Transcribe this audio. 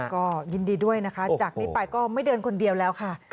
ก็ยินดีด้วยนะคะจากนี้ไปก็ไม่เดินคนเดียวแล้วค่ะ